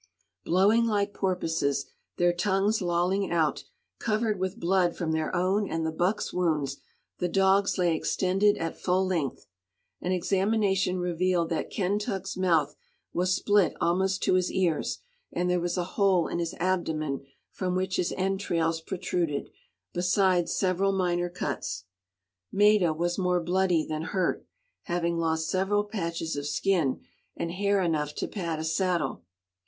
Blowing like porpoises, their tongues lolling out, covered with blood from their own and the buck's wounds, the dogs lay extended at full length. An examination revealed that Kentuck's mouth was split almost to his ears, and there was a hole in his abdomen from which his entrails protruded, besides several minor cuts. Maida was more bloody than hurt, having lost several patches of skin, and hair enough to pad a saddle.